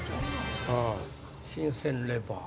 新鮮レバー。